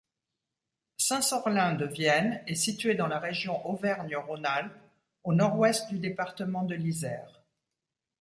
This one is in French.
Saint-Sorlin-de-Vienne est située dans la région Auvergne-Rhône-Alpes, au nord-ouest du département de l'Isère.